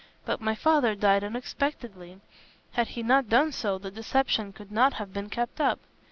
But my father died unexpectedly. Had he not done so, the deception could not have been kept up.